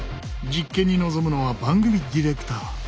実験に臨むのは番組ディレクター。